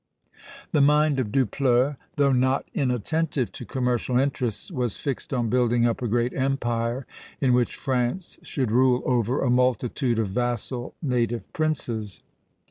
The mind of Dupleix, though not inattentive to commercial interests, was fixed on building up a great empire in which France should rule over a multitude of vassal native princes.